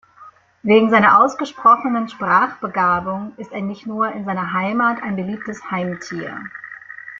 Wegen seiner ausgesprochenen Sprachbegabung ist er nicht nur in seiner Heimat ein beliebtes Heimtier.